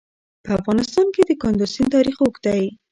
په افغانستان کې د کندز سیند تاریخ اوږد دی.